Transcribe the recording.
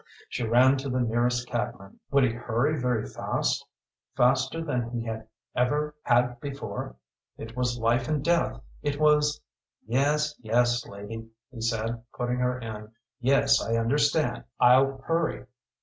She ran to the nearest cabman. Would he hurry very fast? faster than he ever had before? It was life and death, it was "Yes yes, lady," he said, putting her in. "Yes, I understand. I'll hurry."